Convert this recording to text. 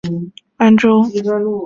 元朝时为东安州。